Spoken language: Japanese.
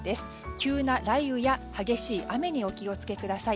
急な雷雨や激しい雨にお気をつけください。